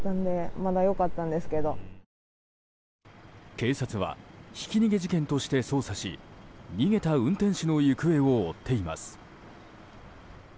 警察はひき逃げ事件として捜査し逃げた運転手の行方を追っています。